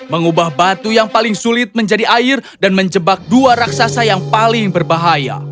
mengubah batu yang paling sulit menjadi air dan menjebak dua raksasa yang paling berbahaya